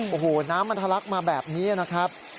โอ้โหน้ำมันทะลักมาแบบนี้นะครับ